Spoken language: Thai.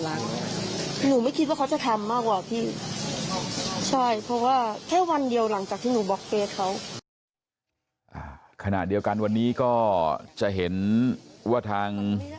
แต่ไม่คิดว่าเขาจะมาลงกับคนที่เล่าวาง